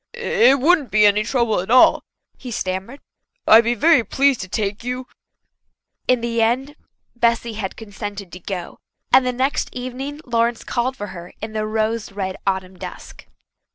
"It wouldn't be any trouble at all," he stammered. "I'll be very pleased to take you." In the end Bessy had consented to go, and the next evening Lawrence called for her in the rose red autumn dusk.